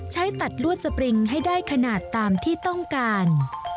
ใช้ตัดลวดสปริงให้ได้ขนาดตามที่ต้องการ